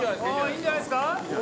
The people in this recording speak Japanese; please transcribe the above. いいんじゃないですか？